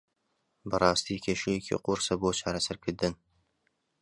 بەڕاستی کێشەیەکی قورسە بۆ چارەسەرکردن.